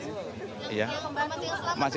masih di rumah sakit